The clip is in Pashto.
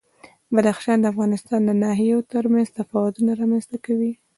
بدخشان د افغانستان د ناحیو ترمنځ تفاوتونه رامنځ ته کوي.